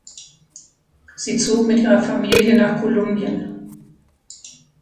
Sie zog mit ihrer Familie nach Kolumbien.